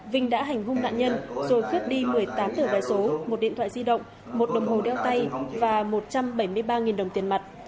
vinh đã hành hung nạn nhân rồi cướp đi một mươi tám tờ vé số một điện thoại di động một đồng hồ đeo tay và một trăm bảy mươi ba đồng tiền mặt